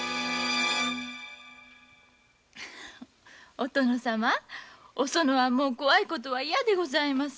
お殿様おそのはもう怖い事は嫌でございます。